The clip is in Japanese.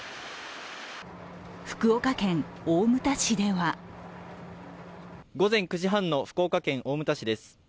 福岡県大牟田市では午前９時半の福岡県大牟田市です